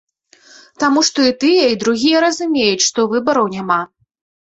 Таму што і тыя, і другія разумеюць, што выбараў няма.